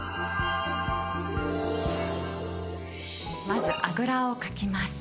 まずあぐらをかきます。